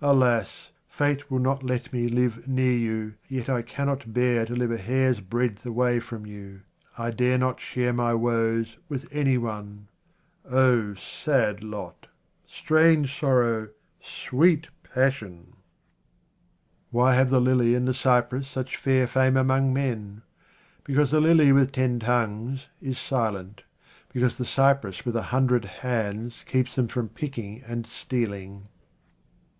ALAS ! fate will not let me live near you, yet I cannot bear to live a hair's breadth away from you. I dare not share my woes with any one. Oh, sad lot, strange sorrow, sweet passion ! 59 QUATRAINS OF OMAR KHAYYAM Why have the lily and the cypress such fair fame among men ? Because the lily with ten tongues is silent ; because the cypress with a hundred hands keeps them from picking and stealing.